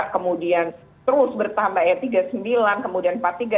kemudian terus bertambah ya tiga sembilan kemudian empat tiga